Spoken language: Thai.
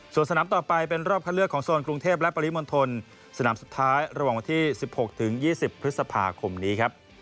ส่วนสนามต่อไปเป็นรอบคัดเลือกของโซนกรุงเทพและปริมณฑลสนามสุดท้ายระหว่างวันที่๑๖๒๐พฤษภาคมนี้ครับ